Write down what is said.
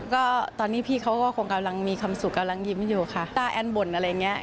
ก็ตอนนี้พี่เขาก็คงกำลังมีคำสุขกำลังยิ้มอยู่ค่ะ